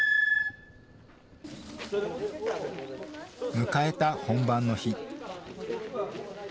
迎えた本番の日。